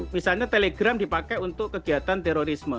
misalnya telegram dipakai untuk kegiatan terorisme